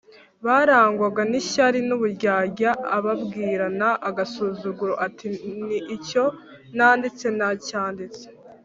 barangwaga n’ishyari n’uburyarya ababwirana agasuzuguro ati, “icyo nanditse nacyanditse